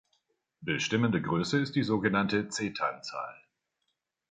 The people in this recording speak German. Bestimmende Größe ist die sogenannte Cetanzahl.